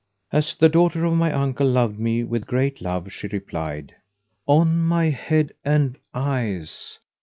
As the daughter of my uncle loved me with great love, she replied, "On my head and eyes!